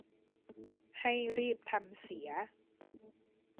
ให้รีบทำเสีย